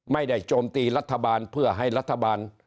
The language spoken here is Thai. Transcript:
โจมตีรัฐบาลเพื่อให้รัฐบาล